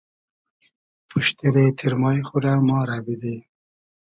پوشتیرې تیرمای خو رۂ ما رۂ بیدی